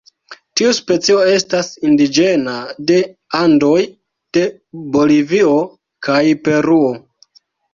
Tiu specio estas indiĝena de Andoj de Bolivio kaj Peruo.